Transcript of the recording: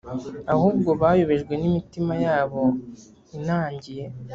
ahubwo bayobejwe n imitima yabo inangiye